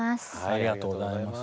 ありがとうございます。